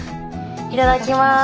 いただきます。